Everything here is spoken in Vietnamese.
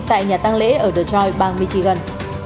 tại nhà tăng lễ ở đông tây